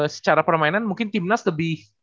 secara permainan mungkin timnas lebih